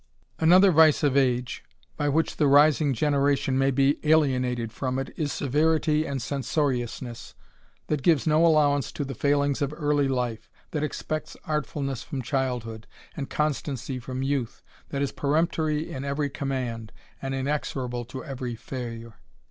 A Aijoiher vice of age, by which the rising generation "'^y be alienated from it, is severity and censoriousness, ^*t gives no allowance to the failings of early life, that • artfulness from childhood, and constancy from that is peremptory in every command, and in ttble to every failure.